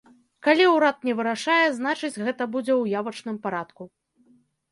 Калі ўрад не вырашае, значыць, гэта будзе ў явачным парадку.